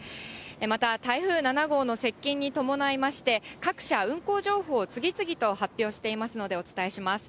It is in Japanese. また台風７号の接近に伴いまして、各社運行情報を次々と発表していますので、お伝えします。